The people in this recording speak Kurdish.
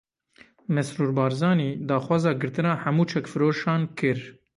Mesrûr Barzanî daxwaza girtina hemû çekfiroşan kir.